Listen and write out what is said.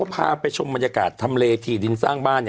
พาไปชมบรรยากาศทำเลถี่ดินสร้างบ้าน